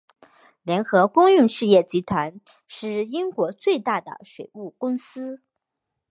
联合公用事业集团是英国最大的水务公司。